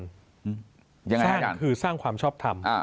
สร้างคือสร้างความชอบทำ